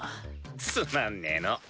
つまんねぇの。